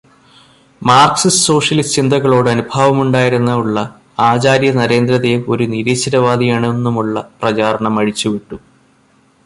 Marxist socialist ചിന്തകളോട് അനുഭാവമുണ്ടായിരുന്ന ഉള്ള ആചാര്യ നരേന്ദ്ര ദേവ് ഒരു നിരീശ്വരവാദിയാണെന്നുമുള്ള പ്രചാരണം അഴിച്ചു വിട്ടു.